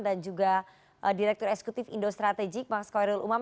dan juga direktur eksekutif indo strategik mas koirul umam